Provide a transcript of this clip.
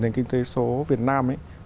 nền kinh tế số việt nam